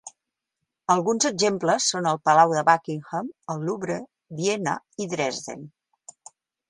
Alguns exemples són el Palau de Buckingham, el Louvre, Viena i Dresden.